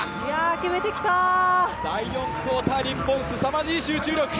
第４クオーター日本、すさまじい集中力。